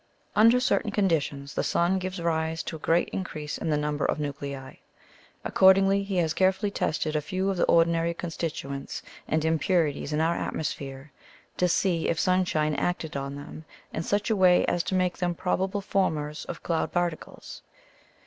Under certain conditions the sun gives rise to a great increase in the number of nuclei. Accordingly, he has carefully tested a few of the ordinary constituents and impurities in our atmosphere to see if sunshine acted on them in such a way as to make them probable formers of cloud particles.